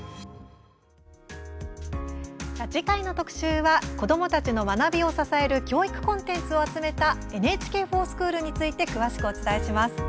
次回の特集は子どもたちの学びを支える教育コンテンツを集めた「ＮＨＫｆｏｒＳｃｈｏｏｌ」について詳しくお伝えします。